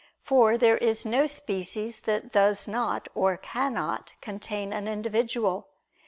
For there is no species that does not, or cannot, contain an individual.